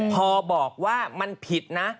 พอบอกว่ามันผิดนะ